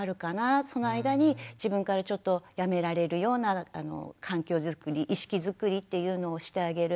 その間に自分からちょっとやめられるような環境づくり意識づくりっていうのをしてあげる。